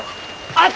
あっ！